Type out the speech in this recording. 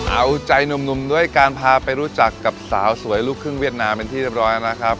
เอาใจหนุ่มด้วยการพาไปรู้จักกับสาวสวยลูกครึ่งเวียดนามเป็นที่เรียบร้อยนะครับ